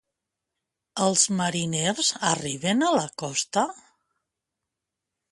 Els mariners arriben a la costa?